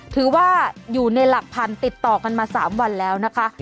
ถือว่าอยู่ในหลักพันธุ์ติดต่อกันมา๓วันแล้วนะคะ